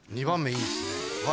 ２番目いいですね